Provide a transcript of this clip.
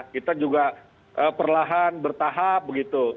kita juga perlahan bertahap begitu